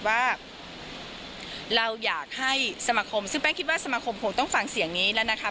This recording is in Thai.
ว่าเราอยากให้สมาคมซึ่งแป้งคิดว่าสมาคมคงต้องฟังเสียงนี้แล้วนะคะ